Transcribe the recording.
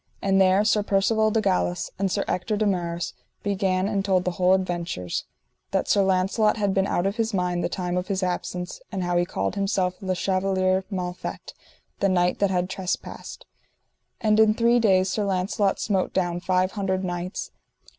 And there Sir Percivale de Galis and Sir Ector de Maris began and told the whole adventures: that Sir Launcelot had been out of his mind the time of his absence, and how he called himself Le Chevaler Mal Fet, the knight that had trespassed; and in three days Sir Launcelot smote down five hundred knights.